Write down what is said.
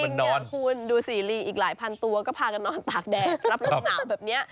จริงเนี่ยคุณดูสิลีอีกหลายพันตัวก็พากันนอนตากแดดรับลมหนาวแบบนี้